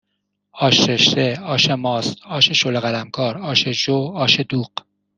آش رشته آش ماست آش شله قلمکار آش جو آش دوغ